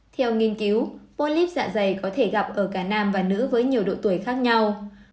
theo nghiên cứu polyp dạ dày có thể gặp ở cả nam và nữ với nhiều độ tuổi khác nhau